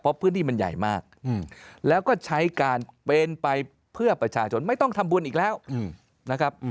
เพราะพื้นที่มันใหญ่มากแล้วก็ใช้การเป็นไปเพื่อประชาชนไม่ต้องทำบุญอีกแล้วนะครับ